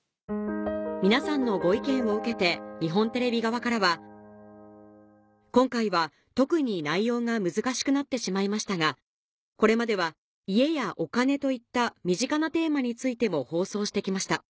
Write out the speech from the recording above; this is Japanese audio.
皆さんのご意見を受けて日本テレビ側からは「今回は特に内容が難しくなってしまいましたがこれまでは家やお金といった身近なテーマについても放送してきました」